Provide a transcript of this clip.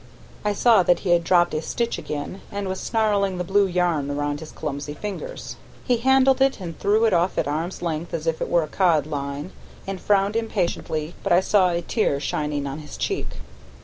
I saw that he had dropped a stitch again, and was snarling the blue yarn round his clumsy fingers. He handled it and threw it off at arm's length as if it were a cod line; and frowned impatiently, but I saw a tear shining on his cheek.